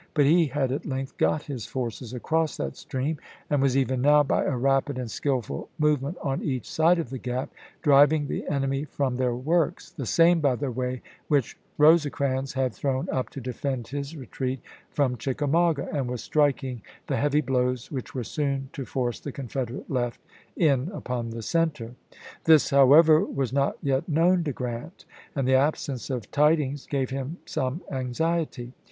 But he had at length got his forces across that stream, and was even now, by a rapid and skillful movement on each side of the gap, driving the enemy from their works (the same, by the way, which Rose 148 ABRAHAM LINCOLN Chap. V. crans had thrown up to defend his retreat from Nov.,i8G3. Chickamauga), and was striking the heavy blows which were soon to force the Confederate left in upon the center. This, however, was not yet known to Grant, and the absence of tidings gave him some anxiety.